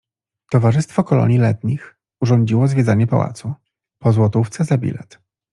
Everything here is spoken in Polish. Towarzystwo Kolonii Letnich urządziło zwiedzanie pałacu, po złotówce za bilet.